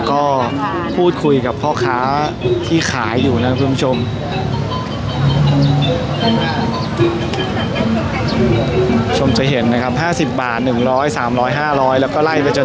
เรื่องที่มีกระแสขาวออกมา